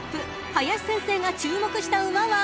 ［林先生が注目した馬は］